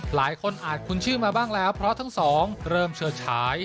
หลายคนอาจคุ้นชื่อมาบ้างแล้วเพราะทั้งสองเริ่มเฉิดฉาย